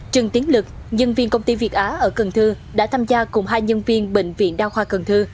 trần tiến lực nhân viên công ty việt á ở cần thơ đã tham gia cùng hai nhân viên bệnh viện đa khoa cần thơ